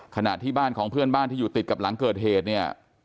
ขณะที่บ้านของเพื่อนบ้านที่อยู่ติดกับหลังเกิดเหตุเนี่ย